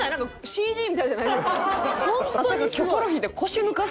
ＣＧみたいじゃないですか？